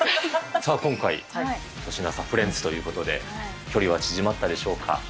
今回、年の差フレンズということで、距離は縮まったでしょうか？